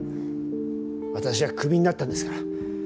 私はクビになったんですから。